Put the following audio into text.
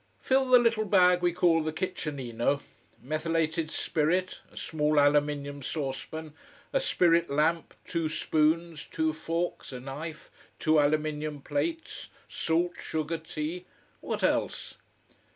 Fill the little bag we call the kitchenino. Methylated spirit, a small aluminium saucepan, a spirit lamp, two spoons, two forks, a knife, two aluminium plates, salt, sugar, tea what else?